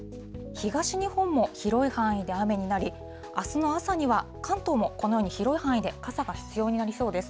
東日本も広い範囲で雨になり、あすの朝には関東も、このように広い範囲で傘が必要になりそうです。